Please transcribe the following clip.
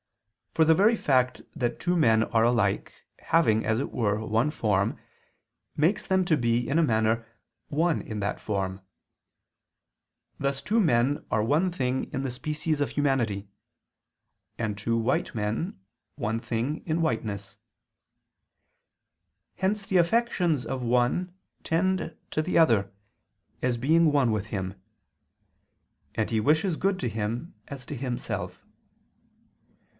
For the very fact that two men are alike, having, as it were, one form, makes them to be, in a manner, one in that form: thus two men are one thing in the species of humanity, and two white men are one thing in whiteness. Hence the affections of one tend to the other, as being one with him; and he wishes good to him as to himself.